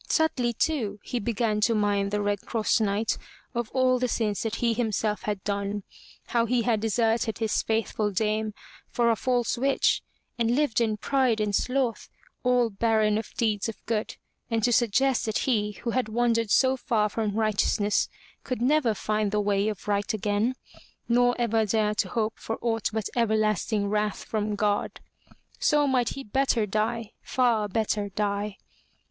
Subtly, too, he began to mind the Red Cross Knight of all the sins that he himself had done, how he had deserted his faithful dame for a false witch, and lived in pride and sloth, all barren of deeds of good, and to suggest that he who had wandered so far from righteousness could never find the Way of Right again, nor ever dare to hope for aught but everlasting wrath from God. So might he better die, far better die.